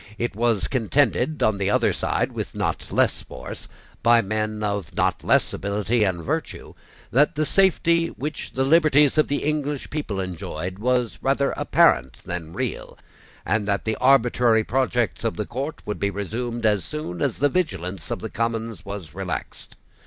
It was contended on the other side with not less force, by men of not less ability and virtue, that the safety which the liberties of the English people enjoyed was rather apparent than real, and that the arbitrary projects of the court would be resumed as soon as the vigilance of the Commons was relaxed.